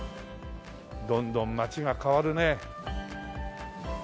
どんどん街が変わるね。